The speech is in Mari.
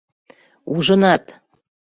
— Ужынат!